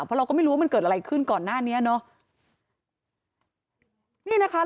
เพราะเราก็ไม่รู้ว่ามันเกิดอะไรขึ้นก่อนหน้านี้เนอะนี่นะคะ